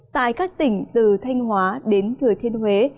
tại các tỉnh từ thanh hóa đến thừa thiên huế